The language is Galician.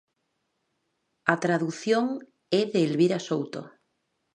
A tradución é de Elvira Souto.